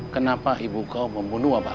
kenapa ibu kau membunuh wabah kau